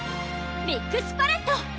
ミックスパレット！